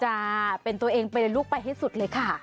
จะเป็นตัวเองไปเลยลูกไปให้สุดเลยค่ะ